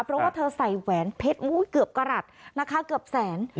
เพราะว่าเธอใส่แหวนเพชรเกือบกระหลัดนะคะเกือบแสน